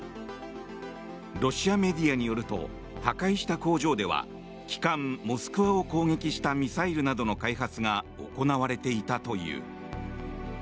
ロシアメディアによると破壊した工場では旗艦「モスクワ」を攻撃したミサイルなどの開発が行われていたという。